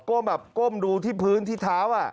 แบบก้มดูที่พื้นที่เท้า